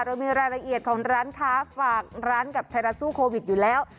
เรามีรายละเอียดของร้านค้าฝากร้านกับไทยรัฐสู้โควิดอยู่แล้ว